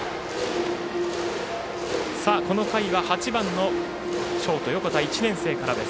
この回は、８番のショート横田１年生からです。